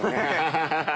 ハハハハ！